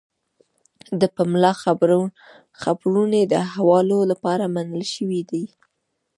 د پملا خپرونې د حوالو لپاره منل شوې دي.